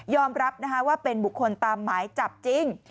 รับว่าเป็นบุคคลตามหมายจับจริง